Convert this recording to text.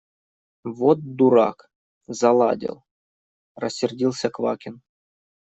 – Вот дурак – заладил! – рассердился Квакин.